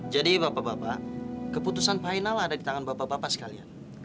jadi bapak bapak keputusan final ada di tangan bapak bapak sekalian